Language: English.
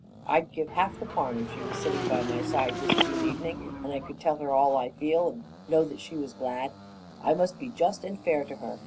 I'd give half the farm if she was sitting by my side this June evening and I could tell her all I feel and know she was glad. I must be just and fair to her.